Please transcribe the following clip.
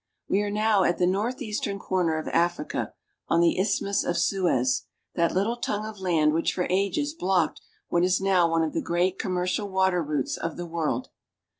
We are now at the northeastern corner of Africa, on the Isthmus of Suez, that little tongue of land which for ages blocked what is now one of the great commercial water routes of the world.